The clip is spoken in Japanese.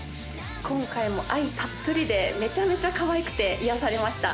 今回も愛たっぷりでめちゃめちゃかわいくて癒やされました